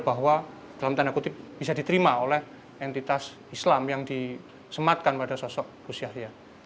bahwa dalam tanda kutip bisa diterima oleh entitas islam yang disematkan pada sosok gus yahya